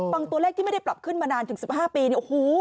บางตัวแรกที่ไม่ได้ปรับขึ้นมานานถึง๑๕ปีโอ้โฮ